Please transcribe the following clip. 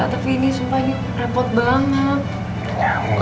tapi ini sumpah ini repot banget